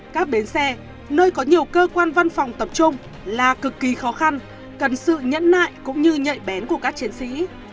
các bến xe nơi có nhiều cơ quan văn phòng tập trung là cực kỳ khó khăn cần sự nhẫn nại cũng như nhạy bén của các chiến sĩ